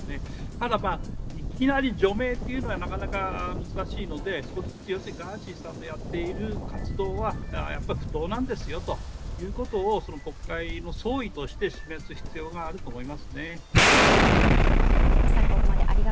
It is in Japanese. ただ、いきなり除名というのはなかなか難しいので、要するにガーシーさんのやっている活動は不当なんですよということを国会の総意として示す必要があると思いますね。